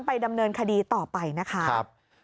ดำเนินคดีต่อไปนะคะ